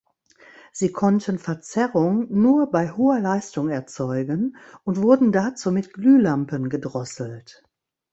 Sie konnten Verzerrung nur bei hoher Leistung erzeugen und wurden dazu mit Glühlampen gedrosselt.